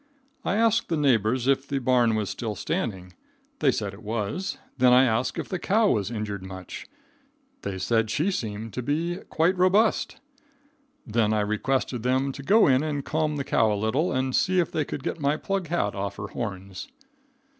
I asked the neighbors if the barn was still standing. They said it was. Then I asked if the cow was injured much. They said she seemed to be quite robust. Then I requested them to go in and calm the cow a little, and see if they could get my plug hat off her horns.